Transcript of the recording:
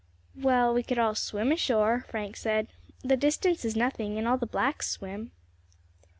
"Well, we could all swim ashore," Frank said; "the distance is nothing, and all the blacks swim."